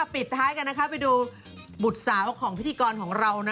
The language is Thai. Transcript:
ปิดท้ายกันไปดูบุตรสาวของพิธีกรของเรา